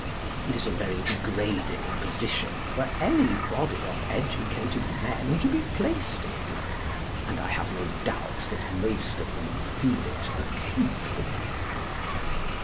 It is a very degrading position for any body of educated men to be placed in, and I have no doubt that most of them feel it acutely.